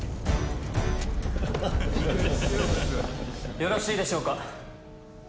よろしいでしょうか。